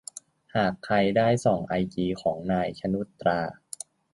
หากใครได้ส่องไอจีของ นาย ชนุชตรา